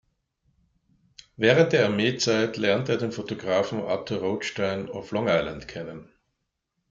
Während der Armeezeit lernte er den Fotografen Arthur Rothstein auf Long Island kennen.